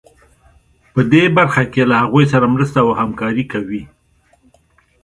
په دې برخه کې له هغوی سره مرسته او همکاري کوي.